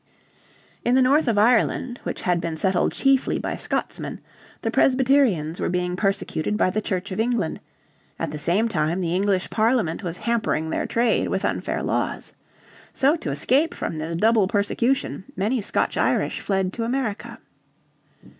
In the north of Ireland, which had been settled chiefly by Scotsmen, the Presbyterians were being persecuted by the Church of England; at the same time the English Parliament was hampering their trade with unfair laws. So to escape from this double persecution many Scotch Irish fled to America.